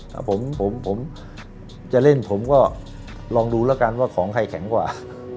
ถ้าผมผมจะเล่นผมก็ลองดูแล้วกันว่าของใครแข็งกว่า